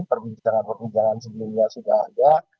perbincangan perbincangan sebelumnya sudah ada